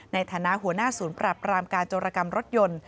ในฐานะหัวหน้าศูนย์ปรับรามการโจรกรรมรถยนต์